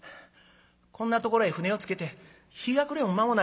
「こんなところへ舟を着けて日がくれも間もない。